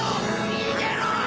逃げろー！